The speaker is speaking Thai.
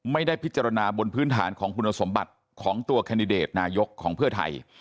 ไม่ได้พิจารณาบนพื้นฐานของคุณสมบัติของตัวแคนดิเดตนายกของเพื่อไทย